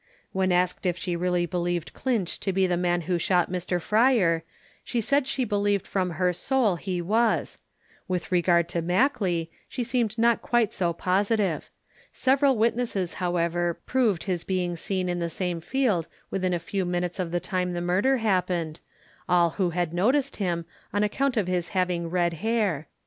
When asked if she really believed Clinch to be the man who shot Mr Fryer, she said she believed from her soul he was; with regard to Mackley, she seemed not quite so positive; several witnesses, however, proved his being seen in the same field within a few minutes of the time the murder happened, who all had noticed him, on account of his having red hair.